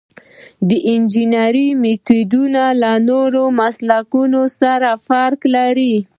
د انجنیری میتودونه له نورو مسلکونو توپیر لري.